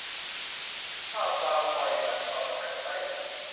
ถ้าปารากวัยตัดความสัมพันธ์กับไต้หวัน